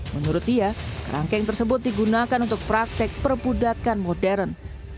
menurut dia kerangkeng tersebut digunakan untuk praktek perbudakan modern